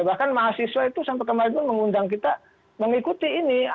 bahkan mahasiswa itu sampai kemarin pun mengundang kita mengikuti ini